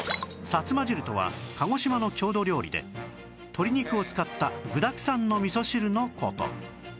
さつま汁とは鹿児島の郷土料理で鶏肉を使った具だくさんの味噌汁の事